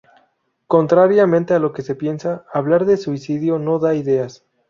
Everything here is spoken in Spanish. Contrariamente a lo que se piensa, hablar del suicidio no da ideas.